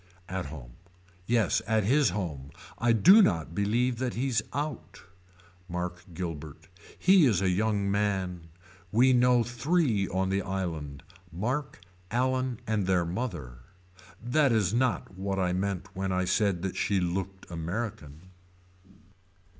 At home. Yes at his home. I do not believe that he's out. Mark Guilbert. He is a young man. We know three on the island. Mark, Allan and their mother. That is not what I meant when I said that she looked American.